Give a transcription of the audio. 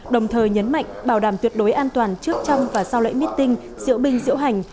đồng thời nhấn mạnh bảo đảm tuyệt đối an toàn trước trong và sau lễ meeting diễu binh diễu hành